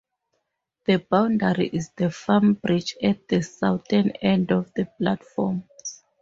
The boundary is the farm bridge at the southern end of the platforms.